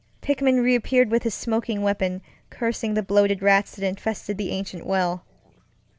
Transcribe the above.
Pickman reappeared with his smoking weapon, cursing the bloated rats that infested the ancient well.